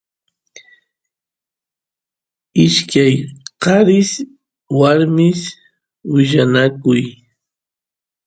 ishkay qaris warmis willanakuy